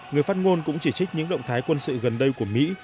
người phát ngôn cũng chỉ trích những động thái quân sự gần đây của mỹ